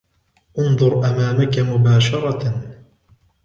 انظر امامك مباشره.